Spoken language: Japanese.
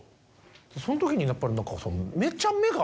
その時にやっぱり。